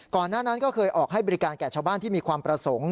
หน้านั้นก็เคยออกให้บริการแก่ชาวบ้านที่มีความประสงค์